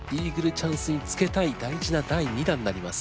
チャンスにつけたい大事な第２打になります。